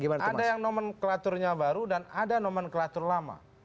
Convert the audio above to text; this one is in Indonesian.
ada yang nomenklaturnya baru dan ada nomenklatur lama